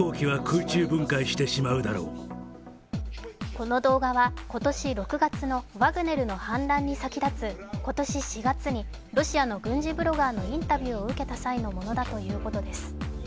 この動画は今年６月のワグネルの反乱に先立つ今年４月に、ロシアの軍事ブロガーのインタビューを受けた際のものだということです。